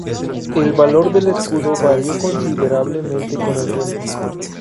El valor del escudo varió considerablemente con el tiempo.